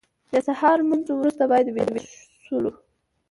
د سهار لمونځ وروسته بیا ویده شولو.